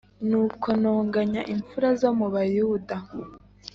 Nuko ntonganya impfura zo mu Bayuda